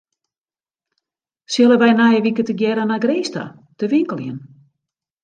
Sille wy nije wike tegearre nei Grins ta te winkeljen?